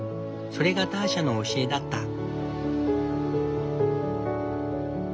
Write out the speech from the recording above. それがターシャの教えだった。